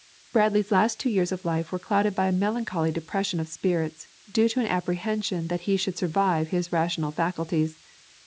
Bradley's last two years of life were clouded by a melancholy depression of spirits, due to an apprehension that he should survive his rational faculties.